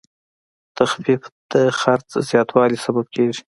تخفیف د خرڅ زیاتوالی سبب کېږي.